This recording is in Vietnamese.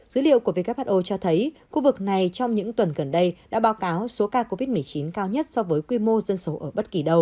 dữ liệu của who cho thấy khu vực này trong những tuần gần đây đã báo cáo số ca covid một mươi chín cao nhất so với quy mô dân số ở bất kỳ đâu